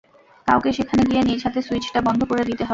কাউকে সেখানে গিয়ে নিজ হাতে সুইচটা বন্ধ করে দিতে হবে।